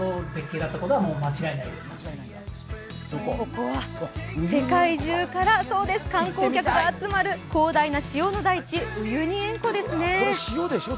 ここは世界中から観光客が集まる広大な塩の大地、ウユニ塩湖ですねこれ塩でしょ？